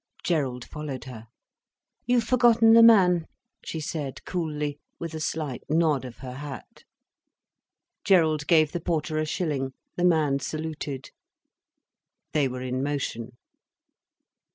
Gerald followed her. "You've forgotten the man," she said cooly, with a slight nod of her hat. Gerald gave the porter a shilling. The man saluted. They were in motion.